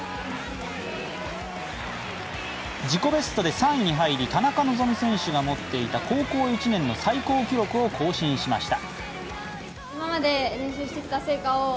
自己ベストで３位に入り田中希実選手が持っていた高校１年の最高記録を更新しました